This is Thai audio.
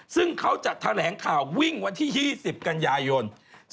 ซึ่งเขาจะแถลงข่าววิ่งวันที่๒๐กันยายน